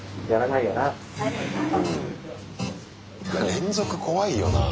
連続怖いよなぁ。